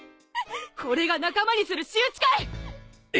これが仲間にする仕打ちかい！？